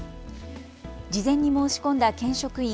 事前に申し込んだ県職員